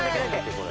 これ。